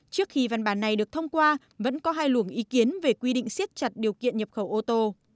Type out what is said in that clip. trước khi văn bản này được thông qua vẫn có hai luồng ý kiến về quy định siết chặt điều kiện nhập khẩu ô tô